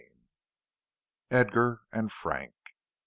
XXV. EDGAR AND FRANK.